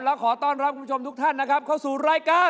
แล้วขอต้อนรับคุณผู้ชมทุกท่านนะครับเข้าสู่รายการ